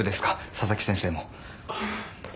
佐々木先生も。